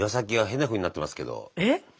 えっ？